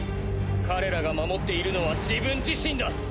彼らが守っているのは自分自身だ！